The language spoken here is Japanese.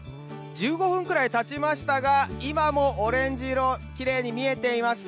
１５分くらいたちましたが、今もオレンジ色、きれいに見えています。